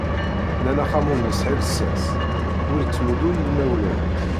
Nnan axxam ur nesεi llsas, ur ittdumu i yimawlan.